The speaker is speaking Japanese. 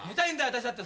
私だって。